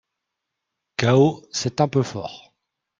Chaos, c’est un peu fort